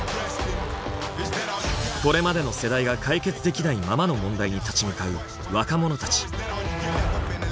これまでの世代が解決できないままの問題に立ち向かう若者たち。